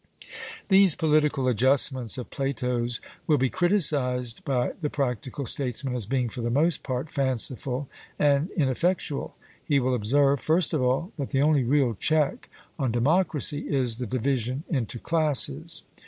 These political adjustments of Plato's will be criticised by the practical statesman as being for the most part fanciful and ineffectual. He will observe, first of all, that the only real check on democracy is the division into classes.